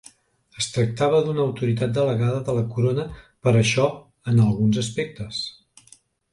Es tractava d’una autoritat delegada de la corona, per això en alguns aspectes.